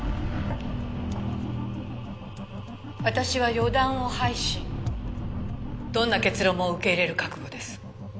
私は予断を排しどんな結論も受け入れる覚悟です。